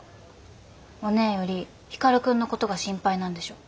おねぇより光くんのことが心配なんでしょ。